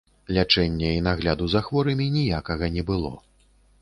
Лячэння і нагляду за хворымі ніякага не было.